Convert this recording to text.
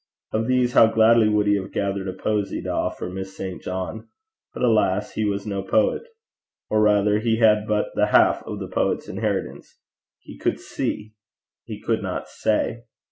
Of these how gladly would he have gathered a posy to offer Miss St. John! but, alas! he was no poet; or rather he had but the half of the poet's inheritance he could see: he could not say.